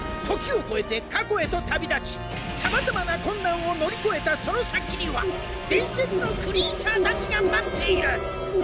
時を超えて過去へと旅立ちさまざまな困難を乗り越えたその先には伝説のクリーチャーたちが待っている。